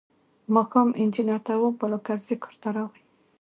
ماښام انجنیر تواب بالاکرزی کور ته راغی.